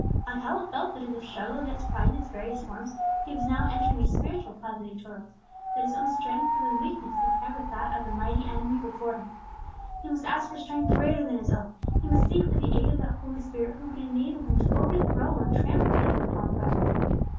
Alcala felt that, in the struggle against pride in its various forms, he was now entering his spiritual Plaza de Toros; that his own strength was as weakness compared with that of the mighty enemy before him. He must ask for strength greater than his own, he must seek for the aid of that Holy Spirit who could enable him to overthrow and trample even upon pride.